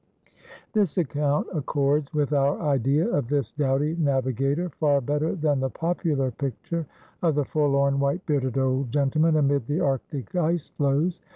This account accords with our idea of this doughty navigator far better than the popular picture of the forlorn white bearded old gentleman amid the arctic ice floes.